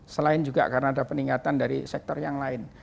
selain juga karena ada peningkatan dari sektor yang lain